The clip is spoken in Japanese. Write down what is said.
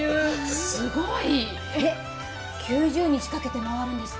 すごい！９０日かけて回るんですか？